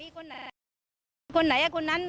ก่อนข้อคอยแหละนะ